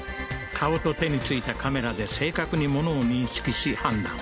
顔と手に付いたカメラで正確に物を認識し判断